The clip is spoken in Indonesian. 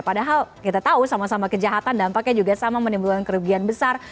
padahal kita tahu sama sama kejahatan dampaknya juga sama menimbulkan kerugian besar